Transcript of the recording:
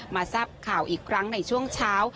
ทราบข่าวอีกครั้งในช่วงเช้า